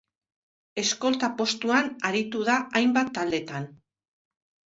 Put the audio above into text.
Eskolta postuan aritu da hainbat taldetan.